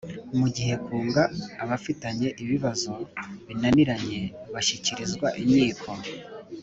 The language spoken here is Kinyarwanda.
Mu gihe kunga abafitanye ibibazo binaniranye bishyikirizwa inyiko